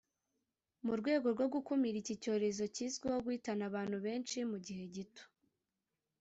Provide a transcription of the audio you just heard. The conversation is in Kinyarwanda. mu rwego rwo gukumira iki cyorezo kizwiho guhitana abantu benshi mu gihe gito